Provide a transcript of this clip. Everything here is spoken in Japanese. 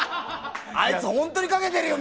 あいつ本当にかけてるよ！